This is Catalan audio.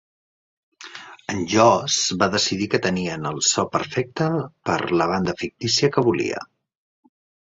En Joss va decidir que tenien el so perfecte per a la banda fictícia que volia.